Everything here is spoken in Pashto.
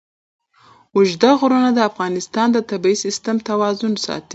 اوږده غرونه د افغانستان د طبعي سیسټم توازن ساتي.